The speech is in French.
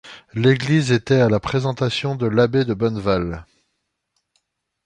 L'église était à la présentation de l'abbé de Bonneval.